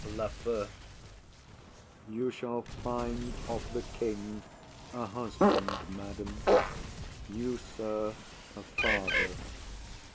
LAFEW. You shall find of the king a husband, madam; you, sir, a father.